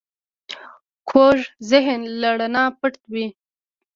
کوږ ذهن له رڼا پټ وي